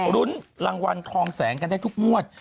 รุ้นรางวัลทองแสงกันได้ทุกงวด